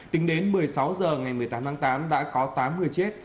tính đến một mươi sáu h ngày một mươi tám tháng tám đã có tám người chết